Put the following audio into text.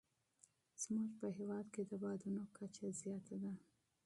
زموږ په هېواد کې د بادونو کچه زیاته ده.